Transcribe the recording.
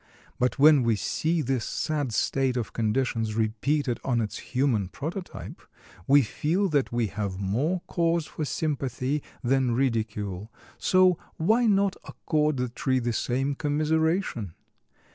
But when we see this sad state of conditions repeated on its human prototype, we feel that we have more cause for sympathy than ridicule, so why not accord the tree the same commiseration?